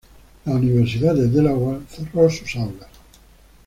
La Universidad de Delaware cerró sus aulas.